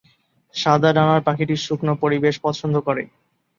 সাদা ডানার পাখিটি শুকনো পরিবেশ পছন্দ করে।